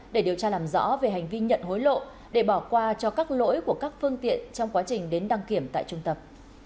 để điều tra làm rõ về hành vi nhận hối lộ để bỏ qua cho các lỗi của các phương tiện trong quá trình đến đăng kiểm tại trung tập